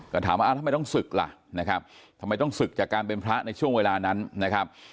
ก็ถามว่าทำไมต้องศึกล่ะนะครับทำไมต้องศึกจากการเป็นพระในช่วงเวลานั้นนะครับ